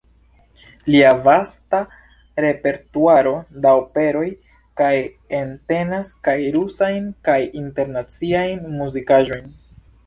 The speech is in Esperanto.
Lia vasta repertuaro da operoj kaj entenas kaj rusajn kaj internaciajn muzikaĵojn.